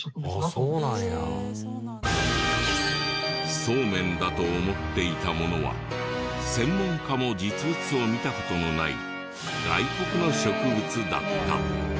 ソーメンだと思っていたものは専門家も実物を見た事のない外国の植物だった。